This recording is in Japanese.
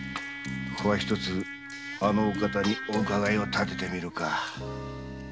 ここは一つあのお方におうかがいをたててみるか。